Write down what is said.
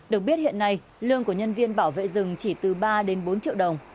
được biết hiện nay lương của nhân viên bảo vệ rừng chỉ từ ba đến bốn triệu đồng